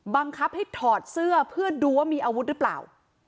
บังคับให้ถอดเสื้อเพื่อดูว่ามีอาวุธหรือเปล่า